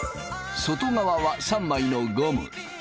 外側は３枚のゴム。